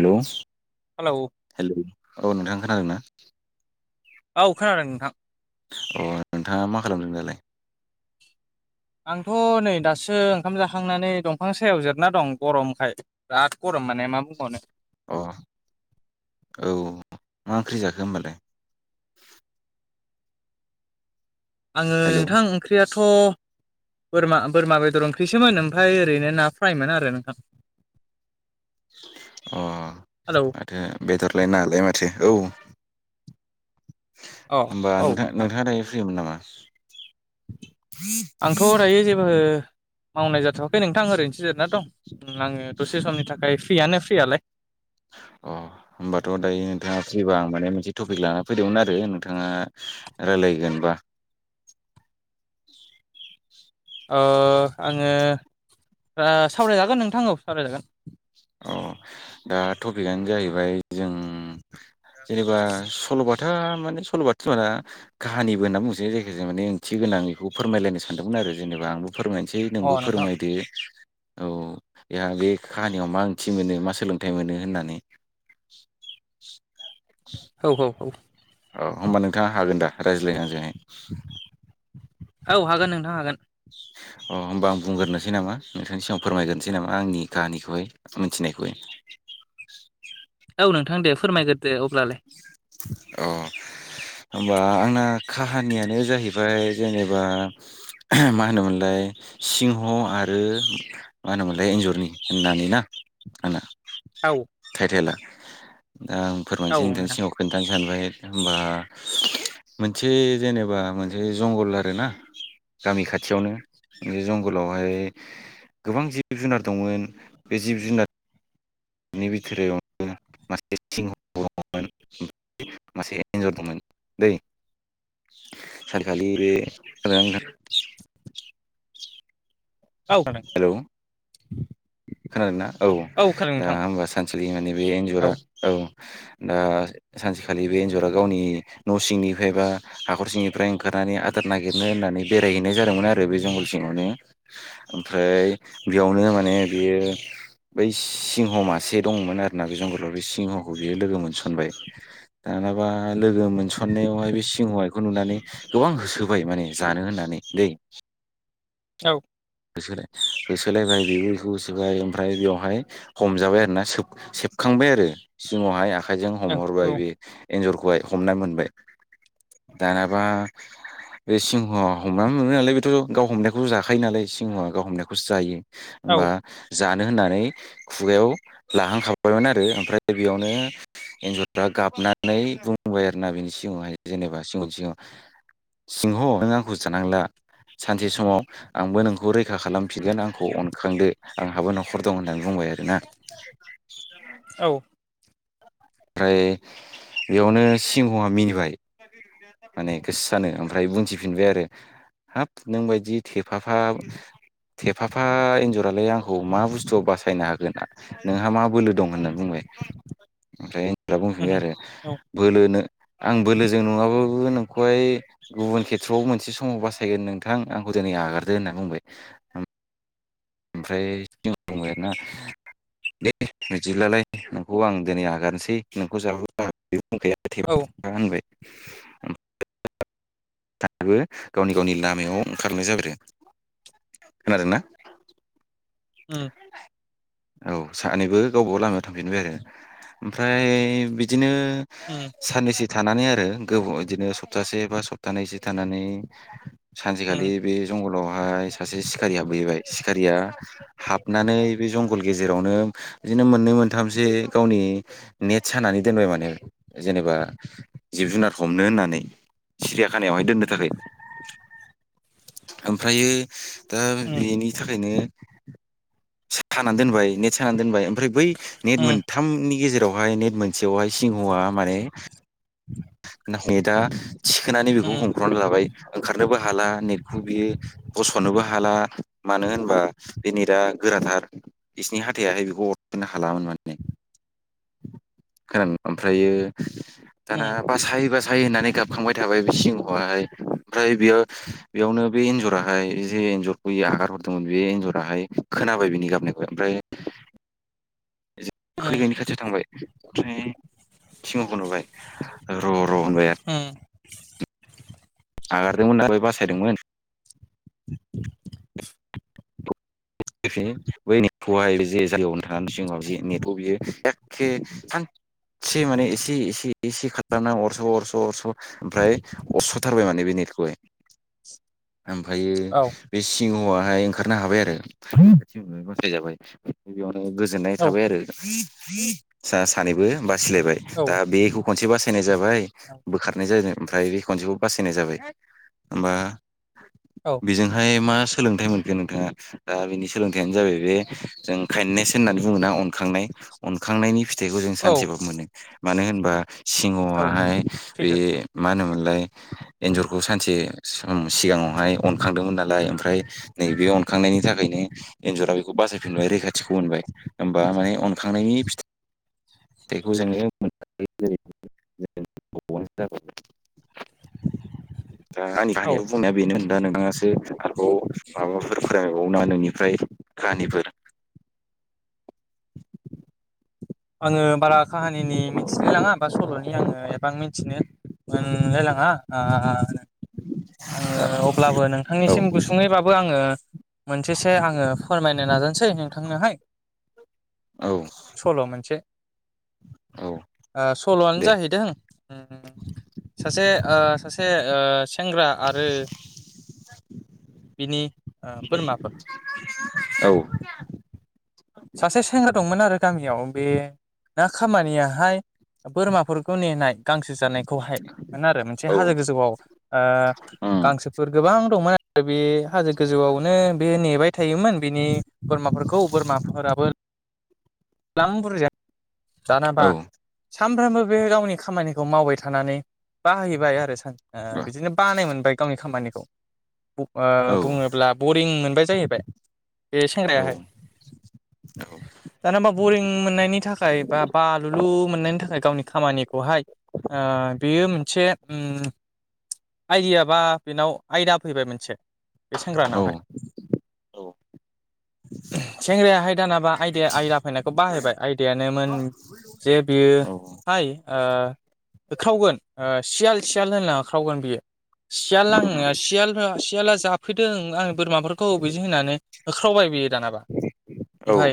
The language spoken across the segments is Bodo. हेल' हेलौ हेल' औ नोंथां खोनादों ना? औ खोनादों नोंथां। अ नोंथाङा मा खालामदों दालाय? आंथ' नै दासो ओंखाम जाखांनानै दंफां सायाव जिरायना दं गरमखाय। बिराद गरम माने मा बुंबावनो। अ औ मा ओंख्रि जाखो होमबालाय? आंङो हेलौ नोंथां ओंख्रियाथ' बोरमा बोरमा बेदर ओंख्रिसोमोन ओमफ्राय ओरैनो ना फ्रायमोन आरो नोंथां। अ। हेलौ थो बेदरलाय नालाय माथो औ। अ होमबा औ नोंथा नोंथां नोंथाङा दायो फ्रिमोन नामा? आंथ' दायो जेबो मावनाय जाथ'वाखै नोंथां ओरैनोसो जिरायना दं आङो दसे समनि थाखाय फ्रियानो फ्रियालाय। अ। होमबाथ' दायो नोंथाङा फ्रिबा आं माने मोनसे टपिक लाना फैदोंमोन आरो नोंथाङा रायलायगोनबा। अ आङो दा सावरायजागोन नोंथां औ सावरायजागोन। अ दा टपिकआनो जाहैबाय जों जेनेबा सल'बाथा माने सल'बाथा दंङ ना? काहानिबो होनना बुंसै जायखिजाया माने ओंथि गोनांं बेखौ फोरमायलायनो सानदोंमोन आरो जेनेबा आंबो फोरमायनोसै अ नोंबो नोंथां फोरमायदो औ बेहा बे खाहा नियाव मा ओंथि मोनो मा सोलोंथाइ मोनो होननानै। औ औ औ। औ होमबा नोंथाङा हागोन दा रायज्लायनो आंजोंहाय? औ हागोन नोंथां हागोन। अ होमबा आं बुंग्रोनोसै नामा नोंथांनि सिगाङाव फोरमायग्रोनोसै नामा आंनि काहानिखौहाय मिथिनायखौहाय। औ नोंथां दे फोरमायग्रोदो अब्लालाय। अ। होमबा आंना काहानियानो जाहैबाय जेनेबा मा होनोमोनलाय सिंह आरो मा होनोमोनलाय एन्जरनि होननानै ना आंना। औ। टाइटेला दा आं फोरमानसे नोंथां सिगङाव खोन्थानो सानबाय होनबा मोनसे जेनेबा मोनसे जंगल आरो ना? गामि खाथियावनो बे जंगलावहाय गोबां जिब जुनार दंमोन बे जिब जुनार बे बिथोरावनो मासे सिंह [inaudible] मसे एन्जर दंमोन दै सारखालि बे रां औ खोनादों। हेलौ खोनादोंना औ खोनादों दा नोंथां होमबा सानखालि माने बे एनजरा औ दा सानसेखालि बे एन्जरा गावनि न' सिंनिफ्राय बा हाखर सिंनिफ्राय ओंखारनानै आदार नागिरनो होननानै बेरायहैनाय जादोंमोन आरो बे जंगल सिंङावनो ओमफ्राय बेयावनो माने बेयो बै सिंह मासे दंमोन आरो ना बे जंगलाव बे सिंहखौ बियो लोगो मोनसनबाय। दानाबा लोगो मोनसन्नायावहाय बे सिंहया बेखौ नुनानै गोबां होसोबाय माने जानो होननानै दै औ। होसोदो होसोलायबाय बेबोखौ होसोबाय ओमफ्राय बेवहाय हमजाबाय आरोना सेबखांबाय आरो सिंङावहाय आखायजों औ हमहरबाय बे एन्जरखौहाय हमना मोनबाय दानाबा बे सिंहआ हमनानै मोनो नालाय बेथ' गाव हमनायखौबो' जाखायो नालाय। सिंहा गाव हमनायखौसो जायो औ होमबा जानो होननानै खुगायाव लाहांखाबायमोन आरो ओमफ्राय बेयावनो एन्जरफ्रा गाबनानै बुंबाय आरोना बिनि सिगांङावहाय जेनेबा सिगांआव सिगाव सिंह नों आंखौ जानांला सानसे समाव आंबो नोंखौ आंखौ रैखा खालामफिनगोन आंखौ अनखांदो आंहाबो न'खर दं होननानै बुंबाय आरो ना औ। ओमफ्राय बेयावनो सिंहआ मिनिबाय माने गोसो सानो ओमफ्राय बुंथिफिनबाय आरो। हाब नोंबायदि थेफाफा थेफाफा एन्जरालाय आंखौ मा बुस्थु बासायनो हागोन ना नोंहा मा बोलो दं होनना बुंबाय ओमफ्राय बे उम बुंफिबाय आरो औ बोलो नो आं बोलोजों नंङाबाबो नोंखौहाय गुबुन खेथ्र'आव मोनसे समाव बासायगोन नोंथां आंखौ दिनै आगारदो होनना बुंबाय। ओमफ्राय सि दंबाय आरोना दे बिदिब्लालाय नोंखौ आं दिनै आगारसै नोंखौ जाब्ला आ गैया औ। होनबाय दाबो गावनि गावनि लामायाव ओंखारनाय जाबो खोनादों ना? उम औ सानैबो गावबागाव लामायाव थांफिनबाय आरो। ओमफ्राय बिदिनो। उम। साननैसो थानानै आरो गोब बिदिनो सप्तासे बा सप्तानैसो थानानै। सानसेखालि उम बे जंगलावहाय सासे सिखारिया बोहैबाय सिखारिया हाबनानै बे जंगल गेजेरावनो बिदिनो मोननै मोनथामसो गावनि नेट सानानै दोनबाय माने जेनेबा जिब जुनार हमनो होननानै। सिरिया खानायावहाय दोननो थाखाय ओमफ्रायो। दा उम बेनि थाखायनो सानानै दोनबाय नेट सानानै दोनबाय ओमफ्राय बै नेट उम मोन थामनि गेजेरावहाय नेट मोनसेयावहाय सिंहआ माने [inaudible] दा थिखोनानै बेखौ उम हमखनानै लाबाय ओंखारनोबो हाला नेटखौ बियो गस'नोबो हाला मानो होनबा बे नेटा गोराथार। बिसिनि हाथथायाहाय बेखौ अरफना हालामोन माने खोनादों ओमफ्रायो उम दाना बासाय बासाय होननानै गाबखांबाय थाबाय बि सिंहहाय ओमफ्राय बेयाव बेयावनो बे एन्जराहाय जे एन्जरखौयो आगार हरदोंमोन बे एन्जराहाय खोनाबाय बिनि गाबनायखौ ओमफ्राय उम खैनायनि खाथियाव थांबाय ओमफ्राय सिंहखौ नुबाय र' र' होनबाय आरो ओ आगारदोंमोन आरो बासायदोंमोन। [inaudible] [unintelligible] बै नेटखौहाय जे जायगायाव नोथां नानै सिङाव जे नेटखौ बियो एखे सा एसे माने एसे एसे एसे खालामना अरस' अरस' अरस' ओमफ्राय अस'थारबाय माने बेनिखौहाय ओमफ्रायो औ बे सिंहआहाय ओंखारनो हाबाय आरो खाथि बासाय जाबाय बेयावनो गोजोननाय औ थाबाय आरो सा सानैबो बासिलायबाय दा औ बेखौ खनसे बासायनाय जाबाय बोखार नाय जादों ओमफ्राय बे खनसेखौ बासायनाय जाबाय होमबा औ बेजोंहाय मा सोलोंथाइ मोनखो नोंथाङा दा बिनि सोलोंथायानो जाहैबाय बे जों काइन्दनेस होननानै बुङोना अनखांनाय अनखांनायनि फि फिथाइखौ जों सानसेबाबो मोनो मानो होनबा औ सिङाहाय बे सैथो मा होनोमोनलाय एन्जरखौ सानसे सम सिगाङावहाय अनखांदोंमोन नालाय ओमफ्राय नैबे अनखांनायनि थाखाय खायनो एन्जरा बेखौ बासायफिनबाय रैखाथिखौ मोनबाय होनोमबा माने अनखांनायनि फिथाइ फिथाइखौ जोङो [inaudible] [inaudible] दा आंनि औ खाहानिबो बुंनाया बेनो होन दा नोंथासो आरोबाव माबाफोर फोरा बावना नोंनिफ्राय काहानिफोर आङो बारा काहानिनि मिथिलाय लाङा बा सल'नि आङो एबां मिथिनो आं लायलाङा ओ आङो अब्लाबो औ नोंथांनिसिम गुसुङैबाबो आङो मोनसेसो आङो फोरमायनो नाजानोसै नोंथांनोहाय औ सल' मोनसे औ ओ सल'आनो दे जाहैदों सासे ओ सासे ओ सेंग्रा आरो बिनि ओ बोरमाफोर [unintelligible] औ सासे सेंग्रा दंमोन आरो गामियाव बे ना खामानियाहाय बोरमाफोरखौ नेनाय गांसो जानायखौहाय मोन आरो मोनसे औ हाजो गोजौआव ओ उम गांसोफोर गोबां दंमोन आरो बे हाजो गोजौआवनो बे नेबाय थायोमोन बिनि बोरमाफोरखौ बोरमाफोराबो ग्लाम बुरजाया जानाबा औ सानफ्रामबो बे गावनि खामानिखौ मावबाय थानानै बाहायबाय आरो सान औ ओ बिदिनो बानाय मोनबाय गावनि खामानिखौ ओ औ बुङोब्ला बरिं मोनबाय जाहैबाय बे औ सेंग्रायाहाय दाना होनबा बरिं मोननायनि थाखाय बा बालुलु मोननायनि थाखाय गावनि खामानिखौहाय ओ बेयो मोनसे ओम आइदिय बा बेनाव आयदा फैबाय मोनसे बे औ सेंग्रानावहाय औ सेंग्रायाहाय दानाबा आयदाया आयदा फैनायखौ बाहायबाय आयदायानोन जे बियो औ हाय ओ होख्रावगोन ओ सियाल सियाल होनना होख्रावगोन सियाल आं सि सियाला जा जाफैदों आं बोरमाफोरखौ बिदि होनानै होख्रावबाय बियो दानाबा ओमफाय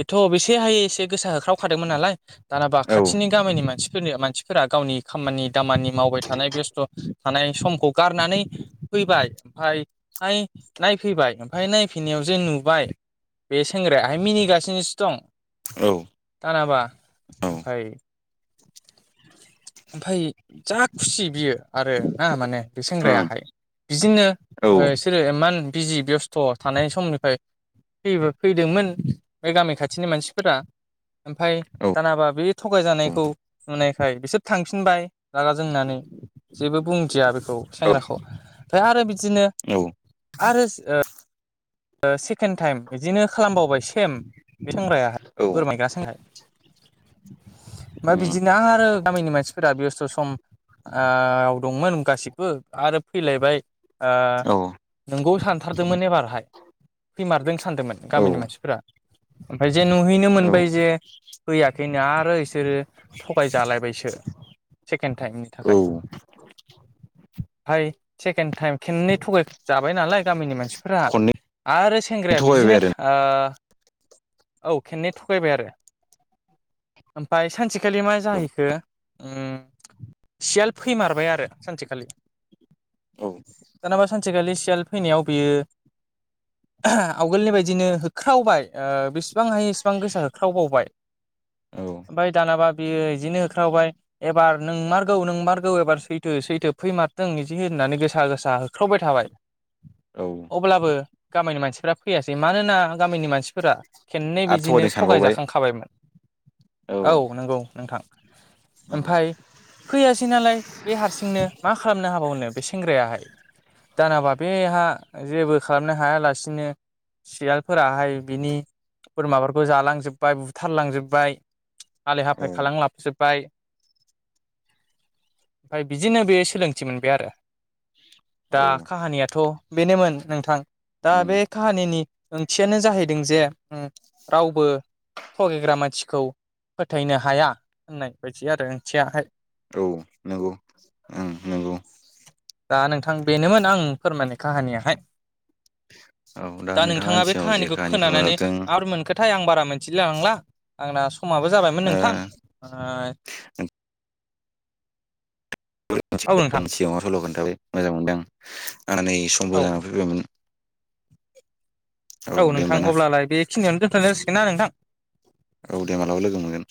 बेथ'बेसे हाय एसे गोसा होख्रावखादोंमोन नालाय दानाबा खाथिनि गामिनि मानसिफोर मानसिफोरा गावनि खामानि दामानि मावबाय थानाय बे थानाय समखौ गारनानै फैबाय ओमफाय फाय नायफैबाय ओमफ्राय नायफैनायाव जे नुबाय बे सेंग्रायाहाय मिनिगासिनोसो दं औ दानाबा ओमफ्राय ओमफाय जा खुसि बियो आरो ना माने बे सेंग्रायाहाय बिदिनो औ बिसोरो इमान बिजि बेस्थ' थानाय समनिफ्राय फै फैदोंमोन बे गामि खाथिनि मानसिफोरा ओमफाय दानाबा बे थगायजानायखौ नुनायखाय बिसोर थांफिनबाय रागा जोंनानै जेबो बुंथिया बेखौ औ सेंग्राखौ ओमफ्राय आरो बिदिनो औ आरो सेकेणड टाइम बिदिनो खालामबावबाय सेम बे सेंग्राया औ ओमफाय उम बिदिनो आरो गामिनि मानसिफोरा बेस्थ' सम ओ दंमोन गासिबो आरो फैलायबाय औ नोंगौ सानथारदोंमोन एबारहाय फैमारदों सानदोंमोन औ गामिनि मानसिफोरा ओमफ्राय जे नुहैनो औ मोनबाय जे फैयाखैनो आरो बिसोरो थगायजालायबायसो सेकेणड टाइमनि औ थाखाय हाय सेकेणड टाइम खेननै थगायजाबाय नालाय गामिनि मानसिफोरा खननै आरो सेंग्राया थगायबाय बिदिनो आरो औ खेननै थगायबाय आरो ओमफाय सानसेखालि मा जाहैखो सियाल फैमारबाय आरो सानसेखालि औ दानाबा सानसेखालि सियाल फैनायाव बियो आवगोलनि बायदिनो होख्रावबाय बि बेसेबां हायो इसिबां गोसा होख्रावबावबाय औ ओमफ्राय दानाबा बियो बिदिनो होख्रावबाय एबार नों मारगौ नों मारगौ एबार सैथो सैथो फैमारथों बिदि होननानै गोसा गोसा होख्रावबाय थाबाय [inaudible] अब्लाबो गामिनि मानसिफोरा फैयासै मानोना गामिनि मानसिफोरा खेननै आरो बिदिनो थगायदों सानबावबाय थगायजाखां खाबायमोन औ नंगौ नोंथां उम ओमफाय फैयासै नालाय बे हारसिंनो मा खालामनो हाबावनो बे सेंग्रायाहाय दानाबा बेहा जेबो खालामनो हायालासिनो सियालफोराहाय बिनि बोरमाफोरखौ जालांजोब्बाय बुथारलांजोब्बाय हालाय औ हाफाय खालाम लाफजोबबाय ओमफाय ओमफ्राय बिदिनो बे सोलोंथि मोनबाय आरो दा औ काहानियाथ' बेनोमोन नोंथां दा उम बे काहानिनि ओंथियानो जाहैदों जे रावबो थगायग्रा मानसिखौ फोथायनो हाया होननाय बायदि आरो ओंथियााय औ नंगौ ओं नंगौ दा नोंथां बेनोमोन आं फोरमायनाय काहानियाहाय औ दा नोंथाङा आंनि बे सिगाङाव जे काहानिखौ काहानि खोनानानै फोरमायहरदों [unintelligible] आं बारा मिथिलाय लांला आंना समाबो जाबायमोन ओ नोंथां औ नोंथां सिगाङाव सल' खोन्थाबाय मोजां मोनदों आं आंनानै औ समबो जाना फैबायमोन औ दे नोंथां होमबा ना अब्लालाय बेखिनियावनो दोनथ'नाय जासिगोन ना नोंथां औ दे मालाबा लोगो मोनगोन